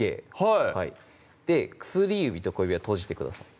薬指と小指は閉じてください